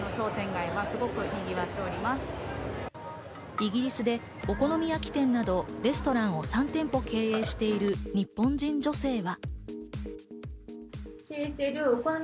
イギリスでお好み焼き店などレストランを３店舗経営している日本人女性は。